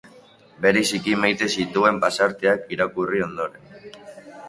Bereziki maite zituen pasarteak irakurri ondoren.